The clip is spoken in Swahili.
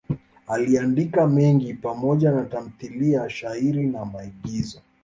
Aliandika mengi pamoja na tamthiliya, shairi na maigizo.